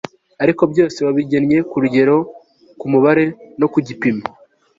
ariko byose wabigennye ku rugero, ku mubare, no ku gipimo